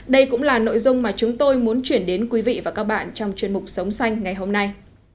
đây cũng là nội dung mà chúng tôi muốn chuyển đến quý vị và các bạn trong chuyên mục sống xanh ngày hôm nay